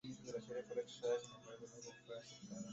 Con el tiempo se ha convertido en un icono popular de San Roque.